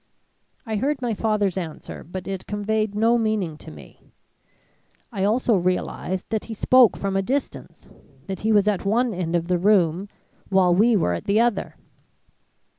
"I heard my father's answer, but it conveyed no meaning to me. I also realized that he spoke from a distance, that he was at one end of the room while we were at the other.